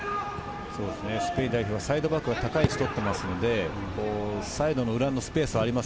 スペイン代表はサイドバックが高い位置をとっているので、サイドの裏のスペースがあります。